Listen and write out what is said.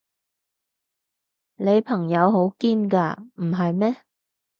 你朋友好堅㗎，唔係咩？